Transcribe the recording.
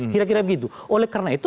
kira kira begitu oleh karena itu